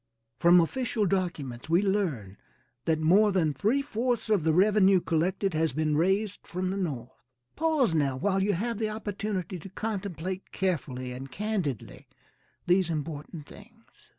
From official documents we learn that more than three fourths of the revenue collected has been raised from the North. Pause now while you have the opportunity to contemplate carefully and candidly these important things.